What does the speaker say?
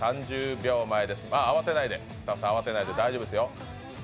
慌てないで、スタッフさん、慌てないで大丈夫ですよ。